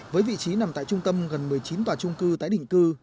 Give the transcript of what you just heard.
với vị trí nằm tại trung tâm gần một mươi chín tòa trung cư